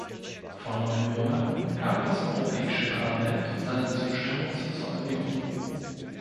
Vor neun Monaten gab das Europäische Parlament seine Zustimmung zur Zollunion.